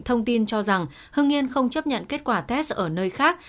thông tin cho rằng hưng yên không chấp nhận kết quả test ở nơi khác